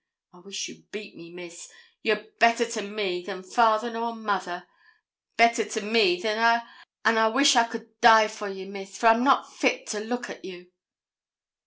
I wish you'd beat me, Miss; ye're better to me than father or mother better to me than a'; an' I wish I could die for you, Miss, for I'm not fit to look at you.'